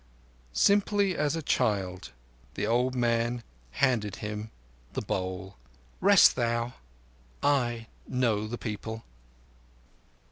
Simply as a child the old man handed him the bowl. "Rest, thou. I know the people."